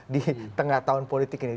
di tengah tahun politik ini